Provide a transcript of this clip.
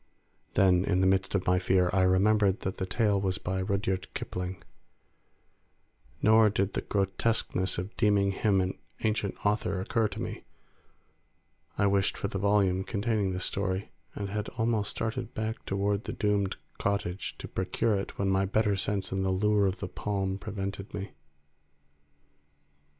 Then in the midst of my fear I remembered that the tale was by Rudyard Kipling; nor did the grotesqueness of deeming him an ancient author occur to me; I wished for the volume containing this story, and had almost started back toward the doomed cottage to procure it when my better sense and the lure of the palm prevented me.